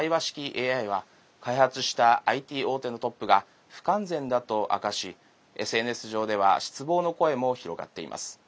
ＡＩは開発したＩＴ大手のトップが不完全だと明かしＳＮＳ上では失望の声も広がっています。